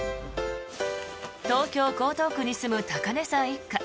東京・江東区に住む高根さん一家。